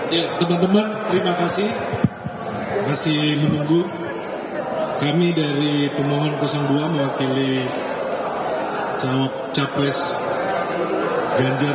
hai teman teman terima kasih kasih menunggu kami dari pemohon dua mewakili caplis ganjar